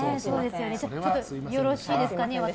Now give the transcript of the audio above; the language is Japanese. よろしいですかね、私。